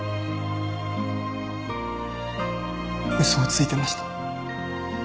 嘘をついてました。